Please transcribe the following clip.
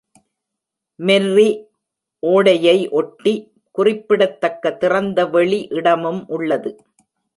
Merry ஓடையை ஒட்டி குறிப்பிடத்தக்க திறந்தவெளி இடமும் உள்ளது.